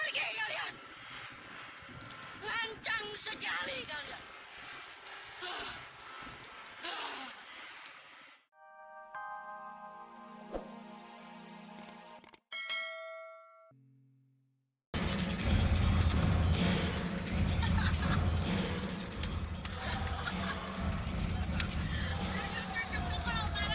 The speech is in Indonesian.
lancang sekali kalian